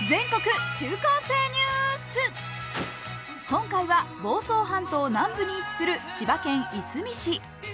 今回は房総半島南部に位置する千葉県市川市。